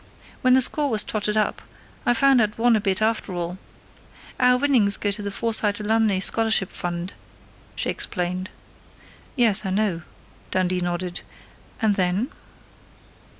"When the score was totted up, I found I'd won a bit after all. Our winnings go to the Forsyte Alumnae Scholarship Fund," she explained. "Yes, I know," Dundee nodded. "And then